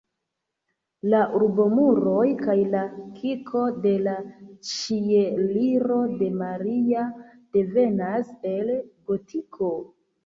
La urbomuroj kaj la kirko de la Ĉieliro de Maria devenas el gotiko.